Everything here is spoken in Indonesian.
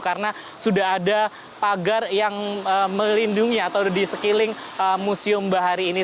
karena sudah ada pagar yang melindungi atau di sekiling museum bahari ini